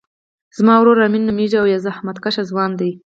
زما ورور امین نومیږی او یو زحمت کښه ځوان دی